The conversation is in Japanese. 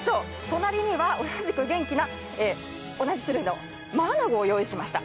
隣には同じく元気な、同じ種類のマアナゴを用意しました。